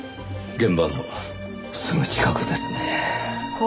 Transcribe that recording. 現場のすぐ近くですねぇ。